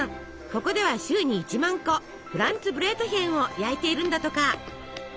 ここでは週に１万個フランツブレートヒェンを焼いているんだとか。